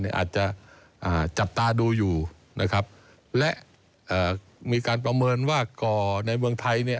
อาจจะจับตาดูอยู่และมีการประเมินว่าก่อในเมืองไทย